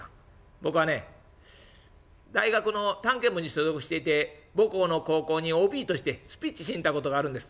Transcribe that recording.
僕はね大学の探検部に所属していて母校の高校にＯＢとしてスピーチをしに行ったことがあるんです」。